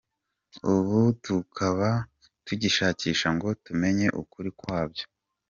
Ubu tukaba tugishakisha ngo tumenye ukuri kwabyo.